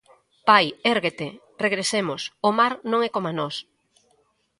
Pai, érguete, regresemos: o mar non é coma nós.